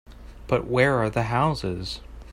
But where are the houses?